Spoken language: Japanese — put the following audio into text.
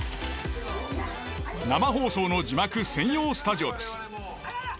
生放送の字幕専用スタジオです。